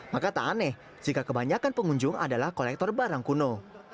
maka tak aneh jika kebanyakan pengunjung adalah kolektor barang kuno